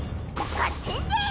合点でい！